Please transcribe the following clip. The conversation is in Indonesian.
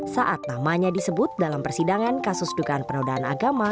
saat namanya disebut dalam persidangan kasus dugaan penodaan agama